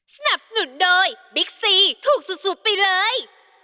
สนับสนุนโดยบิ๊กซีถูกสุดไปเลย